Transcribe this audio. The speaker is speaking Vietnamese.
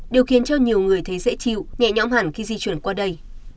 điều khiến cho nhiều người thấy dễ chịu nhẹ nhõm hẳn khi di chuyển qua đây